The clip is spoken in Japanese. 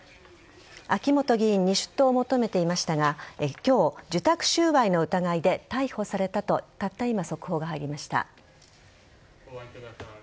秋本議員に出頭を求めていましたが今日受託収賄の疑いで逮捕されたとたった今、速報が入りました。